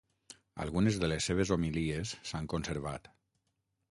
Algunes de les seves homilies s'han conservat.